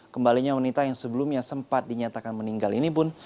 kembalinya wanita yang sebelumnya sempat dinyatakan meninggal ini pun